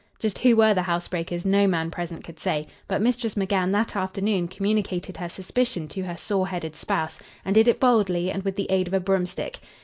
Just who were the housebreakers no man present could say; but Mistress McGann that afternoon communicated her suspicion to her sore headed spouse, and did it boldly and with the aid of a broomstick.